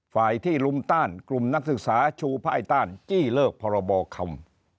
ฝ่ายที่ลุมต้านกลุ่มนักศึกษาชูภายต้านจี้เลิกพรบคำ